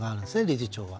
理事長は。